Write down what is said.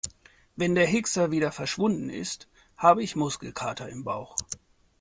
Wenn der Hickser wieder verschwunden ist, habe ich Muskelkater im Bauch.